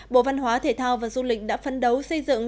bộ văn hóa thể thao và du lịch đã phân đấu xây dựng